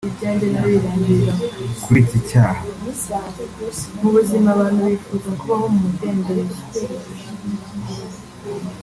Kuri iki cyaha